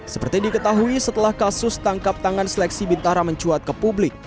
seperti diketahui setelah kasus tangkap tangan seleksi bintara mencuat ke publik